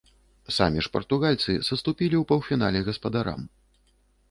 Самі ж партугальцы саступілі ў паўфінале гаспадарам.